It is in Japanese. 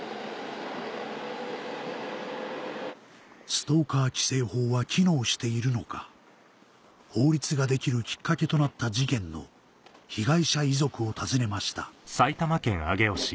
ストーカー規制法は機能しているのか法律が出来るきっかけとなった事件の被害者遺族を訪ねました